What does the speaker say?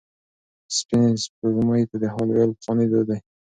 سپینې سپوږمۍ ته د حال ویل پخوانی دود دی.